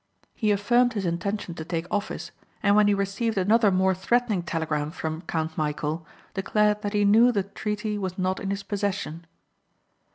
He affirmed his intention to take office and when he received another more threatening telegram from Count Michæl declared that he knew the treaty was not in his possession.